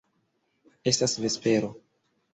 Estas vespero.